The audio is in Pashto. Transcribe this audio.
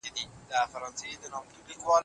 د لابراتوار حجرې په لوړه کچه وده کوي.